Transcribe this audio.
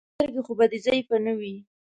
سترګې خو به دې ضعیفې نه وي.